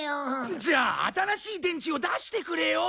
じゃあ新しい電池を出してくれよ！